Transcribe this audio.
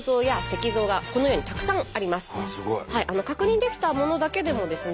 確認できたものだけでもですね